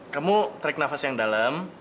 kamu trik nafas yang dalam